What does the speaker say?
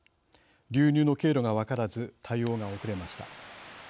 流入の経路が分からず対応が遅れました。